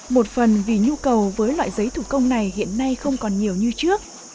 một phần vì nhu cầu với loại giấy thủ công này hiện nay không còn nhiều như trước